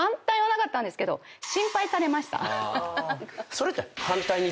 それって。